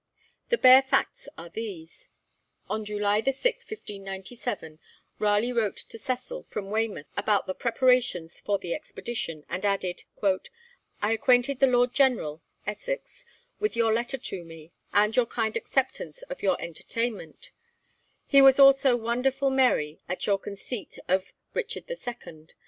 The bare facts are these. On July 6, 1597, Raleigh wrote to Cecil from Weymouth about the preparations for the expedition, and added: 'I acquainted the Lord General [Essex] with your letter to me, and your kind acceptance of your entertainment; he was also wonderful merry at your conceit of Richard the Second.